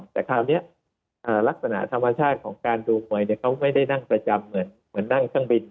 แต่คราวนี้ลักษณะธรรมชาติของการดูมวยเขาไม่ได้นั่งประจำเหมือนนั่งเครื่องบิน